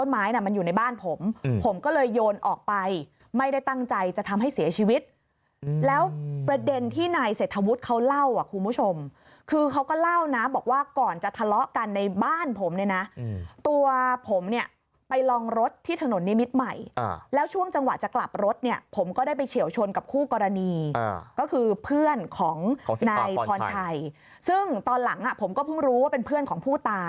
ไม้น่ะมันอยู่ในบ้านผมผมก็เลยโยนออกไปไม่ได้ตั้งใจจะทำให้เสียชีวิตแล้วประเด็นที่นายเศรษฐวุฒิเขาเล่าอ่ะคุณผู้ชมคือเขาก็เล่านะบอกว่าก่อนจะทะเลาะกันในบ้านผมเนี่ยนะตัวผมเนี่ยไปลองรถที่ถนนนิมิตรใหม่แล้วช่วงจังหวะจะกลับรถเนี่ยผมก็ได้ไปเฉียวชนกับคู่กรณีก็คือเพื่อนของนายพรชัยซึ่งตอนหลังผมก็เพิ่งรู้ว่าเป็นเพื่อนของผู้ตาย